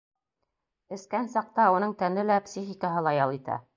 Эскән саҡта уның тәне лә, психикаһы ла ял итә.